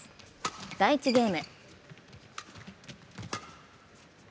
第１ゲーム。